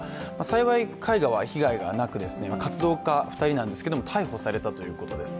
幸い、絵画は被害がなく活動家２人なんですけど逮捕されたということです。